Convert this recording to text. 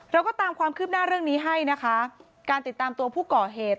เราก็ตามความคืบหน้าเรื่องนี้ให้นะคะการติดตามตัวผู้ก่อเหตุ